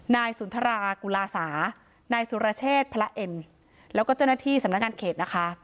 นายสุนทรากุลาสานายสุรเชษพระเอ็นแล้วก็เจ้าหน้าที่สำนักงานเขตนะคะ